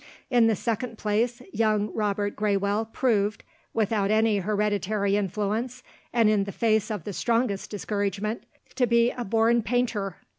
In the second place, young Robert Graywell proved without any hereditary influence, and in the face of the strongest discouragement to be a born painter!